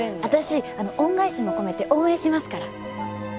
私恩返しも込めて応援しますから。